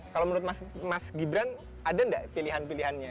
kalau menurut mas gibran ada nggak pilihan pilihannya